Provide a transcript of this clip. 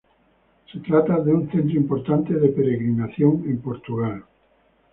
Se trata de un centro importante de peregrinación en Portugal.